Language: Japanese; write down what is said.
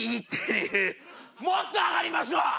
もっと上がりますわ！